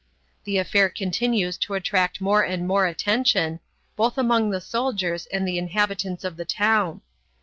The affair continues to attract more and more attention, both among the soldiers and the inhabitants of the town.